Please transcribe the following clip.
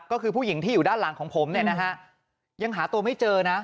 ก็คือผู้หญิงที่อยู่ด้านหลังของผมเนี่ยนะฮะยังหาตัวไม่เจอนะ